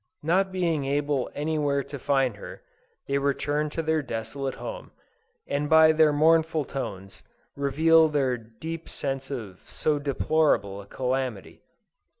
Not being able anywhere to find her, they return to their desolate home, and by their mournful tones, reveal their deep sense of so deplorable a calamity.